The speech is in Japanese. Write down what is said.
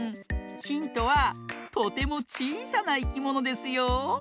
ヒントはとてもちいさないきものですよ。